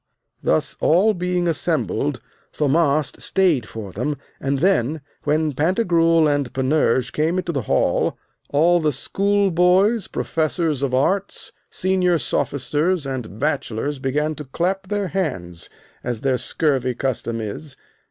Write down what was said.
Thus all being assembled, Thaumast stayed for them, and then, when Pantagruel and Panurge came into the hall, all the schoolboys, professors of arts, senior sophisters, and bachelors began to clap their hands, as their scurvy custom is.